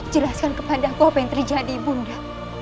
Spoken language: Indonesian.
jelaskan kepada aku apa yang terjadi ibu nda